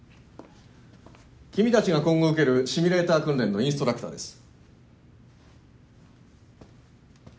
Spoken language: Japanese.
君たちが今後受けるシミュレーター訓練のインストラクターです。